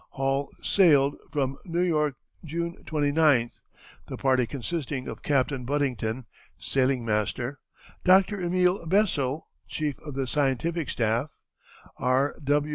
Hall sailed from New York June 29th, the party consisting of Captain Buddington, sailing master; Dr. Emil Bessel, chief of the scientific staff; R.